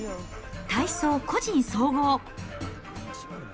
体操個人総合。